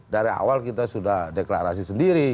dari awal kita sudah deklarasi sendiri